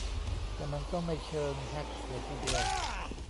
แต่มันก็ไม่เชิงแฮ็กเสียทีเดียว